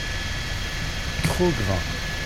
trop grand.